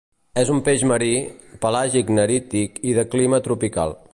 És un peix marí, pelàgic-nerític i de clima tropical.